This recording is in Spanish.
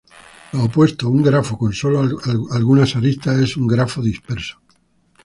Lo opuesto, un grafo con solo algunas aristas, es un grafo disperso.